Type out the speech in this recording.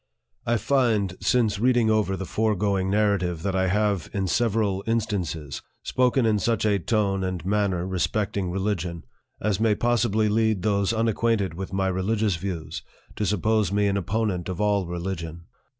I FIND, since reading over the foregoing Narrative that I have, in several instances, spoken in such a tone and manner, respecting religion, as may possibly lead those unacquainted with my religious views to suppose me an opponent of all religion.